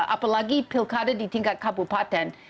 apalagi pilkada di tingkat kabupaten